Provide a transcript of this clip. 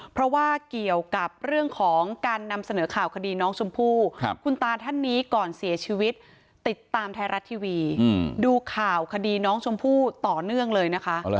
ตามไทยรัฐทีวีดูข่าวคดีน้องชมผู้ต่อเนื่องเลยนะคะ